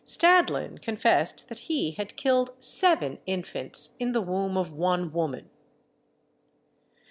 Stadlin confessed that he had killed seven infants in the womb of one woman.